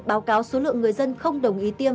báo cáo số lượng người dân không đồng ý tiêm